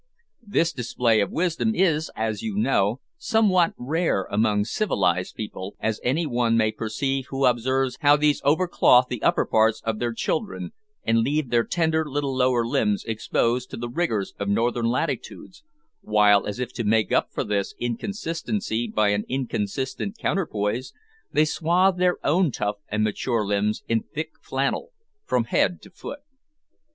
This display of wisdom is, as you know, somewhat rare among civilised people, as any one may perceive who observes how these over clothe the upper parts of their children, and leave their tender little lower limbs exposed to the rigours of northern latitudes, while, as if to make up for this inconsistency by an inconsistent counterpoise, they swathe their own tough and mature limbs in thick flannel from head to foot.